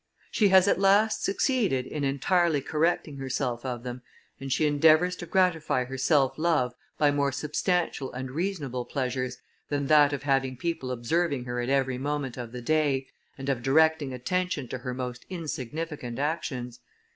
She has at last succeeded in entirely correcting herself of them, and she endeavours to gratify her self love by more substantial and reasonable pleasures, than that of having people observing her at every moment of the day, and of directing attention to her most insignificant actions.